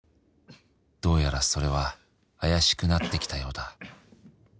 「どうやらそれは怪しくなってきたようだ」